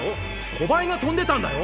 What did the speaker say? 小バエが飛んでたんだよ！